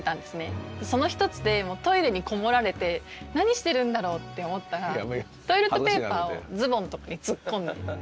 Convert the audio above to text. その一つでトイレに籠もられて何してるんだろうって思ったらトイレットペーパーをズボンとかに突っ込んで。